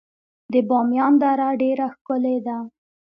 د بامیان دره ډیره ښکلې ده